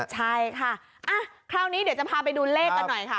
ใช่ค่ะคราวนี้เดี๋ยวจะพาไปดูเลขกันหน่อยค่ะ